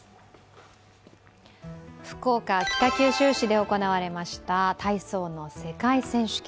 福岡・北九州市で行われました体操の世界選手権。